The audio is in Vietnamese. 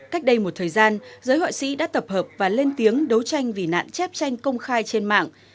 cách đây một thời gian giới họa sĩ đã tập hợp và lên tiếng đấu tranh vì nạn chép tranh công khai trên mạng